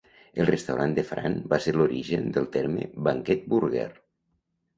El restaurant de Fran va ser l'originen del terme "Banquet Burger".